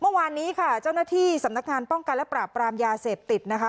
เมื่อวานนี้ค่ะเจ้าหน้าที่สำนักงานป้องกันและปราบปรามยาเสพติดนะคะ